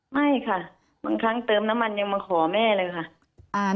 ไม่ค่ะบางครั้งเติมน้ำมันยังมาขอแม่เลยค่ะ